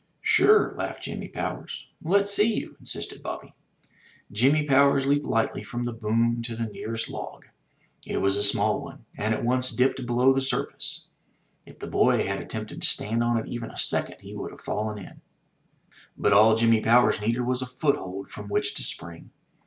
"Sure," laughed Jimmy Powers. "Let's see you," insisted Bobby. Jimmy Powers leaped lightly from the boom to the nearest 135 M Y BOOK HOUSE log. It was a small one, and at once dipped below the surface. If the boy had attempted to stand on it even a second he would have fallen in. But all Jimmy Powers needed was a foothold from which to spring.